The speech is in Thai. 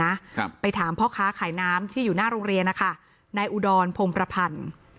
ครับไปถามพ่อค้าขายน้ำที่อยู่หน้าโรงเรียนนะคะนายอุดรพงประพันธ์